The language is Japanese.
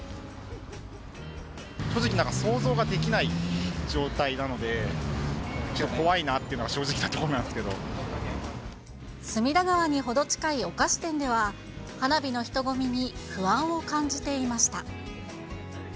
正直、想像ができない状態なので、ちょっと怖いなっていうのが、隅田川にほど近いお菓子店では、花火の人混みに不安を感じていました。